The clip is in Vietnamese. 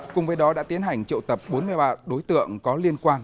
cùng với đó đã tiến hành triệu tập bốn mươi ba đối tượng có liên quan